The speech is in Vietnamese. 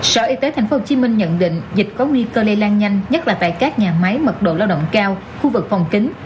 sở y tế tp hcm nhận định dịch có nguy cơ lây lan nhanh nhất là tại các nhà máy mật độ lao động cao khu vực phòng kính